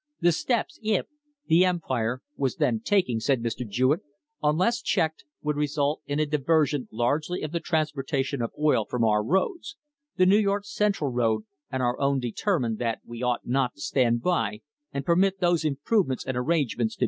"The steps it (the Empire) was then taking," said Mr. Jewett, "unless checked would result in a diversion largely of the transportation of oil from our roads; the New York Central road and our own determined that we ought not to stand by and permit those improvements and arrangements to be made which, when completed, would be A.